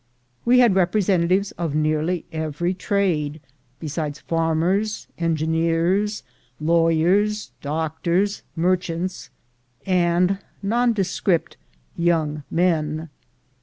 We had representatives of nearly every trade, besides farmers, engineers, lawyers, doctors, merchants, and nondescript "young men."